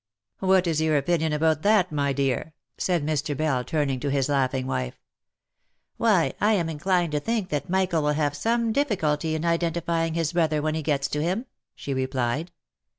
" What is your opinion about that, my dear?" said Mr. Bell, turn ing to his laughing wife. " Why, I am inclined to think that Michael will have some diffi culty in identifying his brother when he gets to him," she replied.